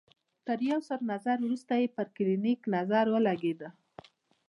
تر يو ساعت مزله وروسته يې په کلينيک نظر ولګېد.